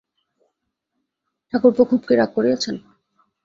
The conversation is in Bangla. ঠাকুরপো খুব কি রাগ করিয়াছেন।